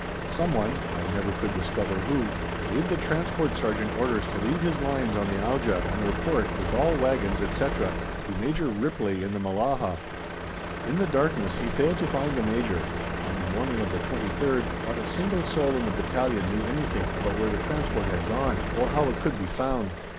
Someone (I never could discover who) gave the Transport Sergeant orders to leave his lines on the Auja and report, with all wagons, etc., to Major Ripley in the Mellahah. In the darkness he failed to find the Major, and on the morning of the 23rd not a single soul in the battalion knew anything about where the Transport had gone, or how it could be found.